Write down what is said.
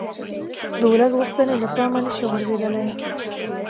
د ولس غوښتنې له پامه نه شي غورځېدلای